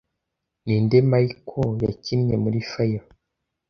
Ninde Michael yakinnye muri File